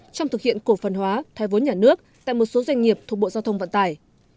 trong thực hiện cổ phần hóa thoái vốn nhà nước tại một số doanh nghiệp thuộc bộ giao thông vận tải